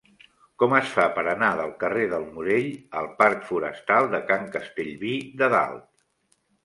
Com es fa per anar del carrer del Morell al parc Forestal de Can Castellví de Dalt?